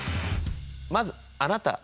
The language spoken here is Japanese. まずあなた。